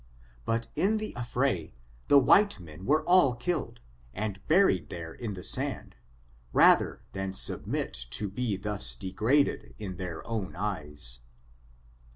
But in the affray, the white men were all killed, and bu ried there in the sand, rather than submit to be thus degraded in their own eyes.